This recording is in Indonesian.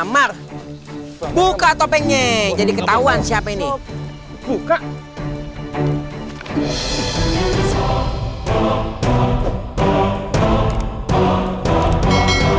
sampai jumpa di video selanjutnya